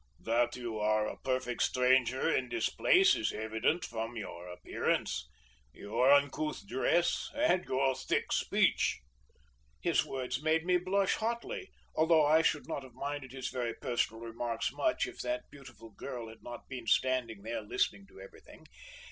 "That you are a perfect stranger in this place is evident from your appearance, your uncouth dress, and your thick speech." His words made me blush hotly, although I should not have minded his very personal remarks much if that beautiful girl had not been standing there listening to everything.